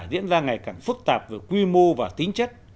diễn ra ngày càng phức tạp về quy mô và tính chất